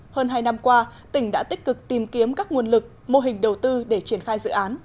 hơn hai năm qua tỉnh đã tích cực tìm kiếm các nguồn lực mô hình đầu tư để triển khai dự án